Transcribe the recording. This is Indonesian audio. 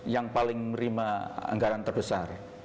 yang paling menerima anggaran terbesar